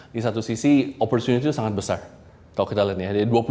di satu sisi opportunity itu sangat besar kalau kita lihat ya